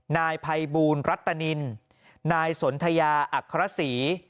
นายพัยบูรณ์หรัตนินนายสนทยาอักระศรี